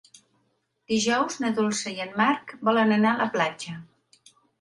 Dijous na Dolça i en Marc volen anar a la platja.